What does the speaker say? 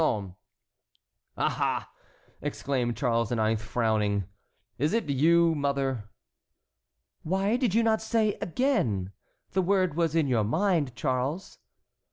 "Ah! ah!" exclaimed Charles IX., frowning, "is it you, mother?" "Why did you not say 'again'? The word was in your mind, Charles."